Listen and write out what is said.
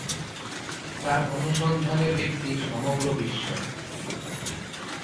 তার অনুসন্ধানের ব্যপ্তি সমগ্র বিশ্ব।